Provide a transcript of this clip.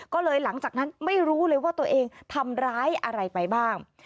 ก็เลยหลังจากนั้นไม่รู้เลยว่าตัวเองทำร้ายอะไรไปบ้าง